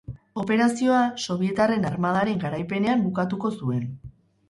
Operazioa Sobietarren armadaren garaipenean bukatuko zuen.